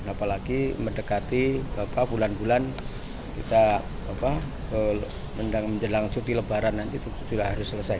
apalagi mendekati bulan bulan kita menjelang cuti lebaran nanti juga harus selesai